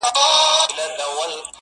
o لکه ماسوم بې موره ـ